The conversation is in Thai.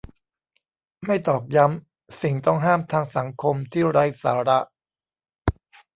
ไม่ตอกย้ำ สิ่งต้องห้ามทางสังคมที่ไร้สาระ